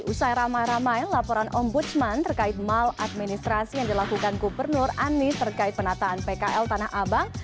usai ramai ramai laporan ombudsman terkait maladministrasi yang dilakukan gubernur anies terkait penataan pkl tanah abang